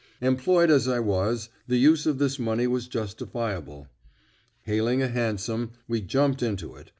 Employed as I was, the use of this money was justifiable. Hailing a hansom, we jumped into it.